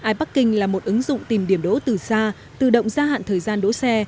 iparking là một ứng dụng tìm điểm đỗ từ xa tự động gia hạn thời gian đỗ xe